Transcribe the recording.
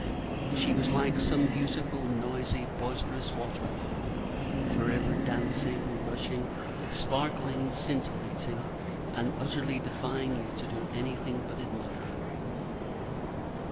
She was like some beautiful, noisy, boisterous water fall, for ever dancing, rushing, sparkling, scintillating, and utterly defying you to do anything but admire it.